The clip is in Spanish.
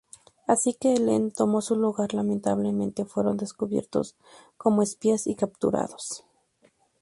Así que Helen tomo su lugar, lamentablemente fueron descubiertos como espías y capturados.